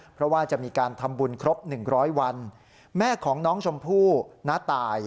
เพราะว่าจะมีการทำบุญครบ๑๐๐วันแม่ของน้องชมพู่น้าตาย